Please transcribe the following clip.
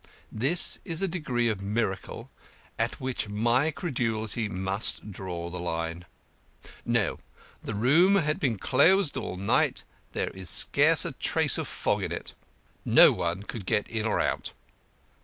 This is a degree of miracle at which my credulity must draw the line. No, the room had been closed all night there is scarce a trace of fog in it. No one could get in or out.